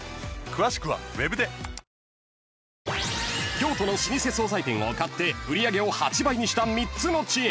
［京都の老舗総菜店を買って売り上げを８倍にした３つの知恵］